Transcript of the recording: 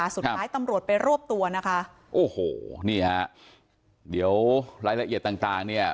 สุดท้ายตำรวจไปร่วบตัวนะคะโอ้โหนี่ค่ะเดี๋ยวรายละเอียดต่าง